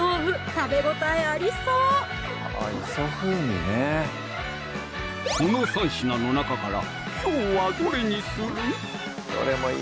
食べ応えありそうこの３品の中からきょうはどれにする？